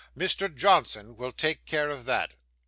Mr. Johnson will take care of that.